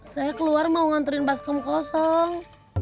saya keluar mau nganterin baskom kosong